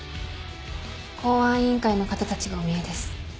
公安委員会の方たちがおみえです。